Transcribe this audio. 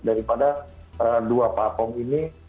daripada dua pakong ini